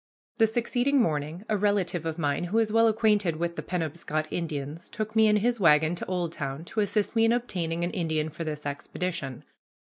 The succeeding morning, a relative of mine who is well acquainted with the Penobscot Indians took me in his wagon to Oldtown to assist me in obtaining an Indian for this expedition.